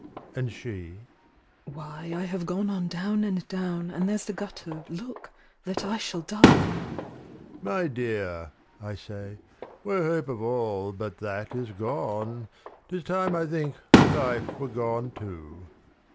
And she—"Why, I have gone on down and down, And there's the gutter, look, that I shall die in!" "My dear," I say, "where hope of all but that Is gone, 'tis time, I think, life were gone too."